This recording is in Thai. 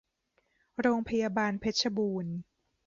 โรงพยาบาลเพชรบูรณ์